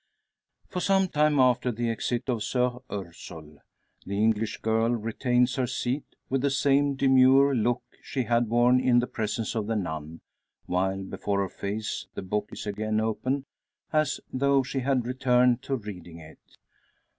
For some time after the exit of Soeur Ursule, the English girl retains her seat, with the same demure look she had worn in the presence of the nun; while before her face the book is again open, as though she had returned to reading it.